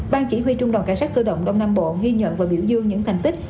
ban chỉ huy trung đoàn cảnh sát cơ động đông nam bộ ghi nhận và biểu dương những thành tích